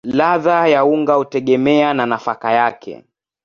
Ladha ya unga hutegemea na nafaka yake.